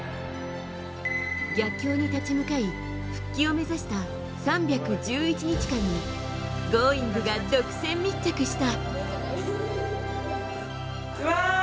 逆境に立ち向かい復帰を目指した３１１日間に「Ｇｏｉｎｇ！」が独占密着した。